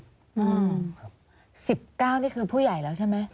๑๙นี่คือผู้ใหญ่แล้วใช่ไหม